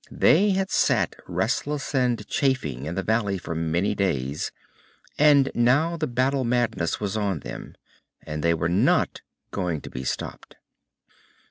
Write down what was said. They had sat restless and chafing in the valley for many days, and now the battle madness was on them and they were not going to be stopped.